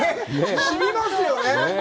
しみますよね。